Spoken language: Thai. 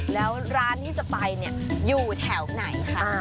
แล้วร้านที่จะไปเนี่ยอยู่แถวไหนคะ